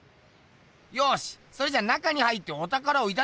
ようしそれじゃ中に入っておたからをいただこう！